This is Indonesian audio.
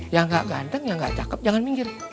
yang gak ganteng yang gak cakep jangan minggir